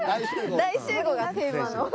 大集合がテーマの。